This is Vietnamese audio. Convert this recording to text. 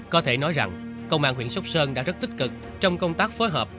có thể nói rằng công an huyện sóc sơn đã rất tích cực trong công tác phối hợp